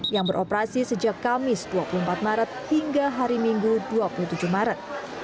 yang beroperasi sejak kamis dua puluh empat maret hingga hari minggu dua puluh tujuh maret